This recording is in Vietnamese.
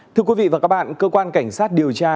thưa quý vị và các bạn cơ quan cảnh sát điều tra